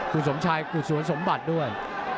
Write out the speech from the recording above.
คุณสมชัยขุดสวนสมบัติด้วย